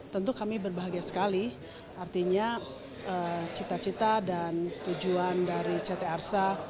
tentu kami berbahagia sekali artinya cita cita dan tujuan dari ct arsa